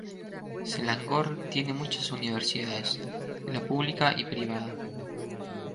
Selangor tiene muchas universidades; la pública y privada.